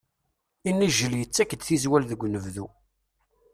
Inijel yettak-d tizwal deg unebdu.